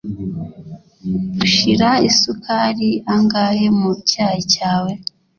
Ushira isukari angahe mu cyayi cyawe?